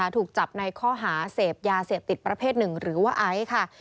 ถูกจับในข้อหาเสพยาเสพติดประเภทหนึ่งหรือว่าไอซ์ค่ะ